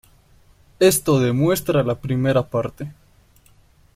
Esto demuestra la primera parte.